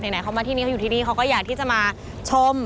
ไหนเขามาที่นี่เขาอยู่ที่นี่เขาก็อยากที่จะมาชม